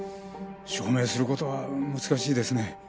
証明する事は難しいですね。